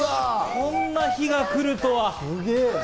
こんな日が来るとは。